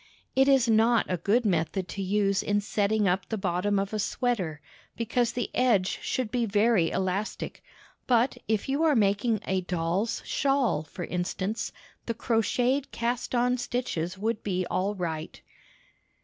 "It is not a good method to use in setting up the bottom of a sweater, because the edge should be very elastic; but if you are making a doll's shawl, for instance, the crocheted cast on stitches would be all right."